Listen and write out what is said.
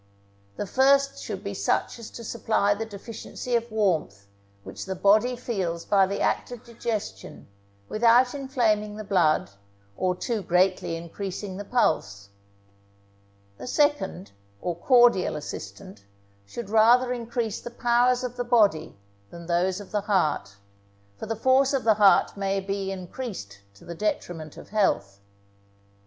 The first should be such as to supply the deficiency of warmth which the body feels by the act of digestion, without inflaming the blood, or too greatly increasing the pulse. The second, or cordial assistant, should rather increase the powers of the body than those of the heart; for the force of the heart may be increased to the detriment of health.